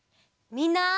みんな。